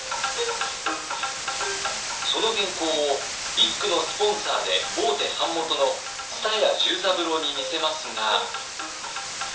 その原稿を一九のスポンサーで大手版元の蔦屋重三郎に見せますが。